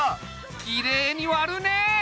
きれいに割るね！